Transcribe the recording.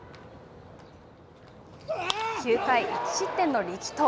９回１失点の力投。